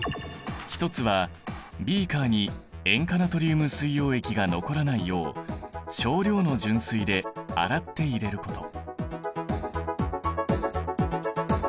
一つはビーカーに塩化ナトリウム水溶液が残らないよう少量の純水で洗って入れること。